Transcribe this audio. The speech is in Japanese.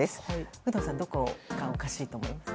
有働さんどこがおかしいと思いますか？